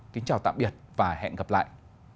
kính chào tạm biệt và hẹn gặp lại